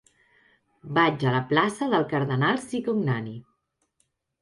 Vaig a la plaça del Cardenal Cicognani.